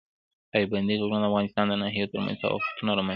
پابندی غرونه د افغانستان د ناحیو ترمنځ تفاوتونه رامنځ ته کوي.